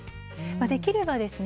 できればですね